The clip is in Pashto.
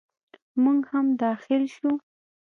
موږ هم داخل شوو.